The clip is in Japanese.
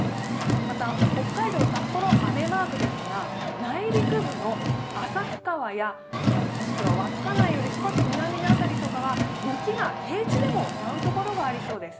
また、北海道・札幌は雨マークですが、内陸部の旭川や、もしくは稚内より少し南辺りは雪が平地でも舞う所がありそうです。